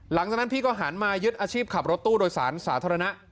หลังจากนั้นพี่ก็หันมายึดอาชีพขับรถตู้โดยสารสาธารณะ